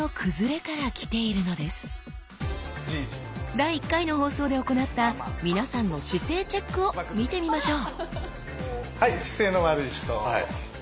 第１回の放送で行った皆さんの姿勢チェックを見てみましょう